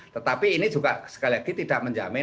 tetapi ini juga sekali lagi tidak menjamin